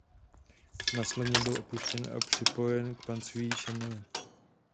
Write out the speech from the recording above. Následně byl opuštěn a připojen k panství Semily.